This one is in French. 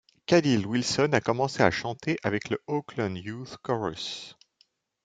Kalil Wilson a commencé à chanter avec le Oakland Youth Chorus.